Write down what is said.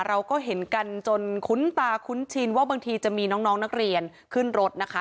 เราก็เห็นกันจนคุ้นตาคุ้นชินว่าบางทีจะมีน้องนักเรียนขึ้นรถนะคะ